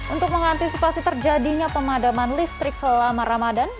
untuk mengantisipasi terjadinya pemadaman listrik selama ramadan